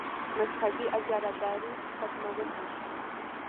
مذهبي اجاراداري ختمول وو.